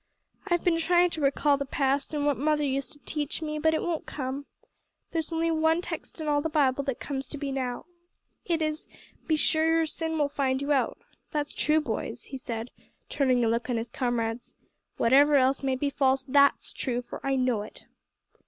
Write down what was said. I've been trying to recall the past, an' what mother used to teach me, but it won't come. There's only one text in all the Bible that comes to me now. It's this `Be sure your sin will find you out!' That's true, boys," he said, turning a look on his comrades. "Whatever else may be false, that's true, for I know it."